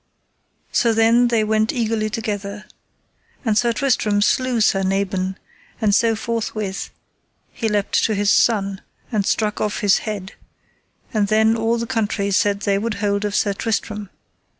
So then they went eagerly together, and Sir Tristram slew Sir Nabon, and so forthwith he leapt to his son, and struck off his head; and then all the country said they would hold of Sir Tristram.